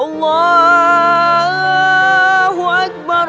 allahu akbar allahu akbar